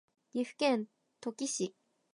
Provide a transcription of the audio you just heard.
岐阜県土岐市